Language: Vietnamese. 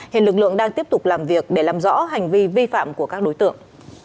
hiện lực lượng đang tiếp tục làm việc để làm rõ hành vi vi phạm của các đối tượng